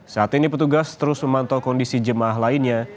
saat ini petugas terus memantau kondisi jemaah lainnya